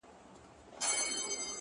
• چي څه ګټم هغه د وچي ډوډۍ نه بسیږي ,